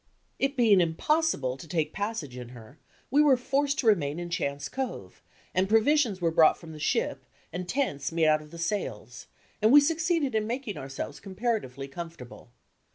It being impossible to take passage in her, we were forced to remain in Chance Cove, and provisions were brought from the ship and tents made out of the sails, and we succeeded in making ourselves comparatively comfortable.